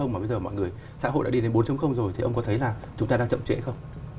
mà bây giờ mọi người xã hội đã đi đến bốn rồi thì ông có thấy là chúng ta đang chậm trễ không